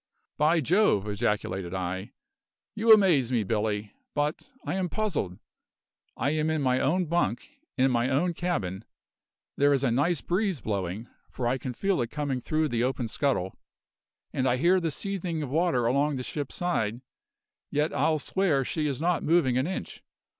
"By Jove!" ejaculated I, "you amaze me, Billy. But I am puzzled. I am in my own bunk, in my own cabin; there is a nice breeze blowing, for I can feel it coming through the open scuttle, and I hear the seething of water along the ship's side, yet I'll swear she is not moving an inch.